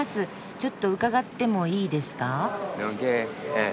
ちょっと伺ってもいいですか？